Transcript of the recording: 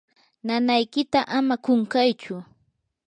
nanaykita ama qunqaychu.